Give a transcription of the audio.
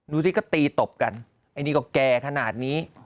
ดูสิก็ตีตบกันไอ้นี่ก็แก่ขนาดนี้